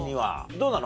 どうなの？